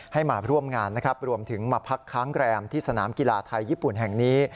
มาร่วมงานนะครับรวมถึงมาพักค้างแรมที่สนามกีฬาไทยญี่ปุ่นแห่งนี้